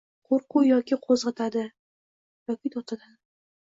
Qoʻrquv yoki qoʻzgʻatadi, yoki toʻxtatadi.